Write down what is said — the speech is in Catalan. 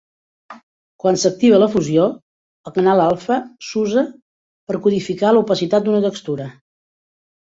Quan s'activa la fusió, el canal alfa s'usa per codificar l'opacitat d'una textura.